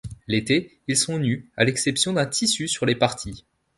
L'été, ils sont nus à l'exception d'un tissu sur les parties.